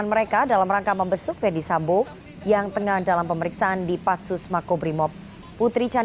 ketua komnasam ahmad tovandamanik senin siang